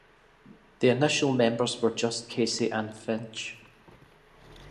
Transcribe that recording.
The initial members were just Casey and Finch.